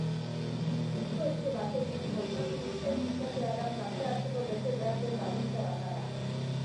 Diskoetxe batekin kontraturik ez izatea da parte hartzeko bete behar den baldintza bakarra.